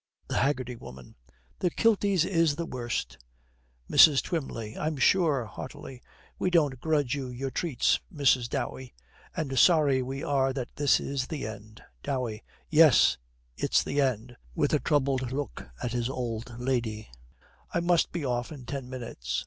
THE HAGGERTY WOMAN. 'The kilties is the worst!' MRS. TWYMLEY. 'I'm sure,' heartily, 'we don't grudge you your treats, Mrs. Dowey; and sorry we are that this is the end.' DOWEY. 'Yes, it's the end,' with a troubled look at his old lady; 'I must be off in ten minutes.'